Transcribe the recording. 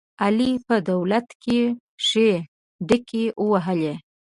علي په دولت کې ښې ډاکې ووهلې.